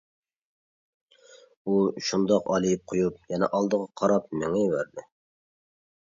ئۇ شۇنداق ئالىيىپ قويۇپ، يەنە ئالدىغا قاراپ مېڭىۋەردى.